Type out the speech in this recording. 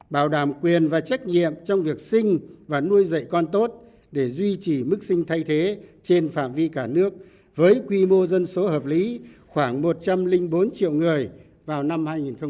bảo đảm quyền và trách nhiệm trong việc sinh và nuôi dạy con tốt để duy trì mức sinh thay thế trên phạm vi cả nước với quy mô dân số hợp lý khoảng một trăm linh bốn triệu người vào năm hai nghìn hai mươi